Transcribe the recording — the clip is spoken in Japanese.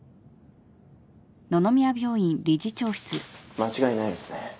間違いないですね。